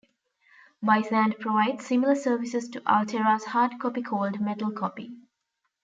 BaySand provides similar service to Altera's HardCopy called MetalCopy.